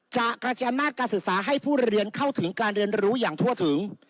กระจายอำนาจการศึกษาให้ผู้เรียนเข้าถึงการเรียนรู้อย่างทั่วถึง